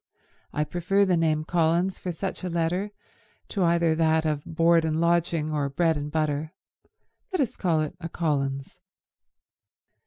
"I prefer the name Collins for such a letter to either that of Board and Lodging or Bread and Butter. Let us call it a Collins."